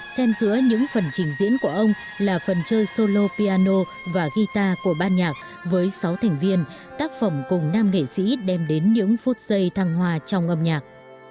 xen giữa những phần trình diễn của ông là phần chơi solo piano và guitar của ban nhạc với sáu thành viên tác phẩm cùng nam nghệ sĩ đem đến những phút giây thăng hoa trong âm nhạc